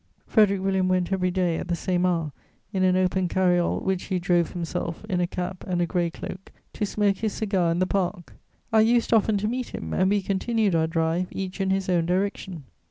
Frederic William went every day, at the same hour, in an open cariole which he drove himself, in a cap and a grey cloak, to smoke his cigar in the Park. I used often to meet him and we continued our drive, each in his own direction.